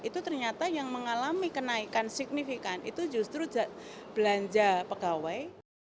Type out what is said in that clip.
itu ternyata yang mengalami kenaikan signifikan itu justru belanja pegawai